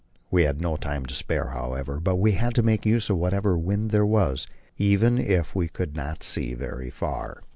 We had no time to spare, however, but had to make use of whatever wind there was, even if we could not see very far.